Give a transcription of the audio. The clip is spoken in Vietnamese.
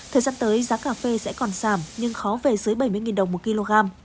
thời gian tới giá cà phê sẽ còn giảm nhưng khó về dưới bảy mươi đồng một kg